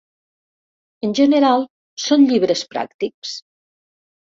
En general són llibres pràctics.